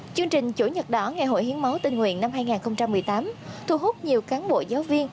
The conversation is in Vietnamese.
chương trình chủ nhật đỏ ngày hội hiến máu tình nguyện năm hai nghìn một mươi tám thu hút nhiều cán bộ giáo viên